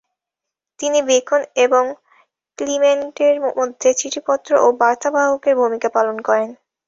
তিনি বেকন এবং ক্লিমেন্টের মধ্যে চিঠিপত্র ও বার্তাবাহকের ভূমিকা পালন করেন।